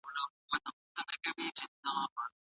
منظم کار پایله ورکوي.